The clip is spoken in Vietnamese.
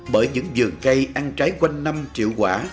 bởi những giường cây ăn trái quanh năm triệu quả